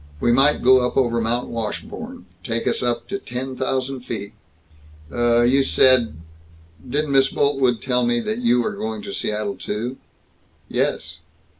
"We might go up over Mount Washburn. Take us up to ten thousand feet." "Uh, you said didn't Miss Boltwood tell me that you are going to Seattle, too?" "Yes."